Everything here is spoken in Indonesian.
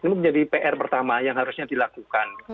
ini menjadi pr pertama yang harusnya dilakukan